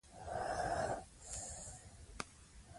خلک نور شکایت نه غواړي.